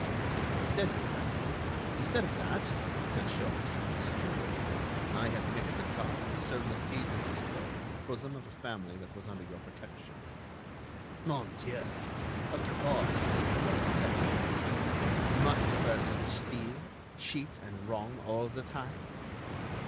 Instead of that—" "Instead of that," said Sholmes, sneeringly, "I have mixed the cards and sown the seeds of discord in the bosom of a family that was under your protection." "Mon Dieu! of course, I was protecting them. Must a person steal, cheat and wrong all the time?"